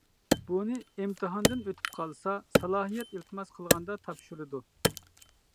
بۇنى ئىمتىھاندىن ئۆتۈپ قالسا، سالاھىيەت ئىلتىماس قىلغاندا تاپشۇرىدۇ.